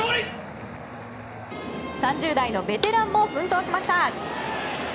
３０代のベテランも奮闘しました。